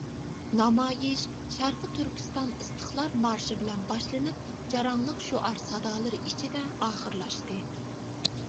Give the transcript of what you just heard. نامايىش شەرقى تۈركىستان ئىستىقلال مارشى بىلەن باشلىنىپ جاراڭلىق شوئار سادالىرى ئىچىدە ئاخىرلاشتى.